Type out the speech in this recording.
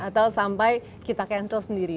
atau sampai kita cancel sendiri